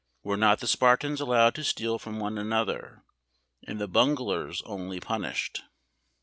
Were not the Spartans allowed to steal from one another, and the bunglers only punished?